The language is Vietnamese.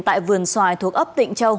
tại vườn xoài thuộc ấp tịnh châu